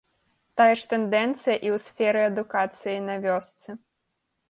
Тая ж тэндэнцыя і ў сферы адукацыі на вёсцы.